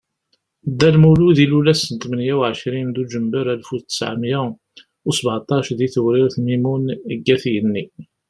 Dda Lmulud ilul ass tmenya u ɛecrin Duǧember Alef u ttɛemya u sbaɛṭac di Tewrirt Mimun deg At Yanni.